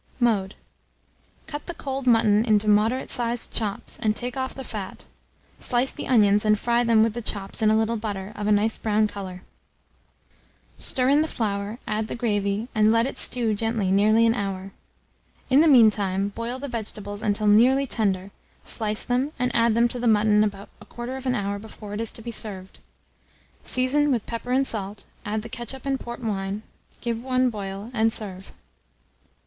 Mode. Cut the cold mutton into moderate sized chops, and take off the fat; slice the onions, and fry them with the chops, in a little butter, of a nice brown colour; stir in the flour, add the gravy, and let it stew gently nearly an hour. In the mean time boil the vegetables until nearly tender, slice them, and add them to the mutton about 1/4 hour before it is to be served. Season with pepper and salt, add the ketchup and port wine, give one boil, and serve.